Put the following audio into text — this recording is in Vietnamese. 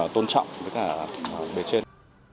tôn trọng với cả bế trên